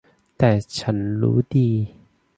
แต่ฉันรู้ดี